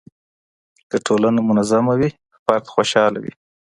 که ټولنه منظمه وي فرد خوشحاله وي.